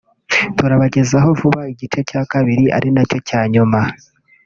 turabagezaho vuba n'igice cya kabiri ari nacyo cya nyuma